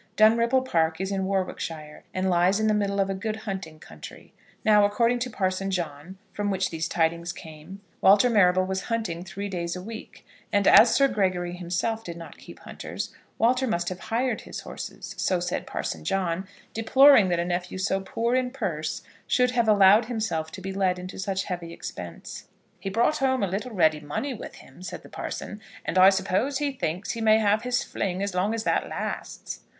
Dunripple Park is in Warwickshire, and lies in the middle of a good hunting country. Now, according to Parson John, from whom these tidings came, Walter Marrable was hunting three days a week; and, as Sir Gregory himself did not keep hunters, Walter must have hired his horses, so said Parson John, deploring that a nephew so poor in purse should have allowed himself to be led into such heavy expense. "He brought home a little ready money with him," said the parson; "and I suppose he thinks he may have his fling as long as that lasts."